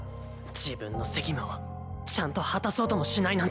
自分の責務をちゃんと果たそうともしないなんて。